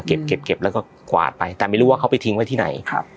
เก็บแล้วก็กวาดไปแต่ไม่รู้ว่าเขาไปทิ้งไว้ที่ไหนครับ